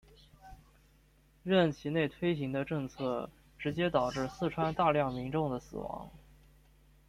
任内其推行的政策直接导致四川大量民众的死亡。